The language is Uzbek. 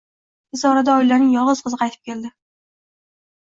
Tez orada oilaning yolg`iz qizi qaytib keldi